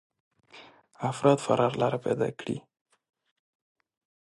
افراد فرار لاره پيدا کړي.